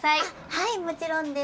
はいもちろんです。